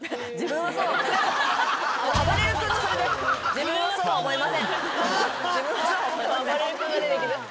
「自分はそうは思いません」